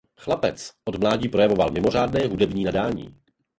Chlapec od mládí projevoval mimořádné hudební nadání.